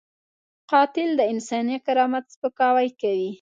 قاتل د انساني کرامت سپکاوی کوي